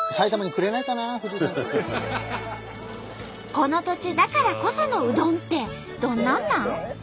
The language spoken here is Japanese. この土地だからこそのうどんってどんなんなん？